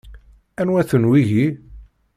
Anwa-ten wigi?